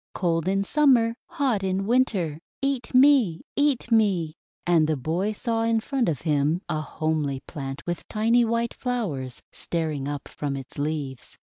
Cold in Summer, hot in Winter! Eat me! Eat me!" And the boy saw in front of him a homely plant with tiny white flowers staring up from its leaves.